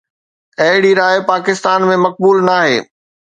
اهڙي راءِ پاڪستان ۾ مقبول ناهي.